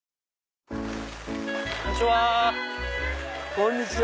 こんにちは。